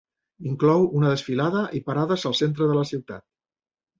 Inclou una desfilada i parades al centre de la ciutat.